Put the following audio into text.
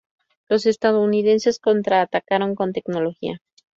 Los estadounidenses "contraatacaron" con tecnología.